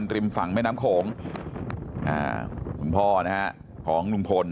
ริมฝั่งแม่น้ำโขงอ่าคุณพ่อนะฮะของลุงพล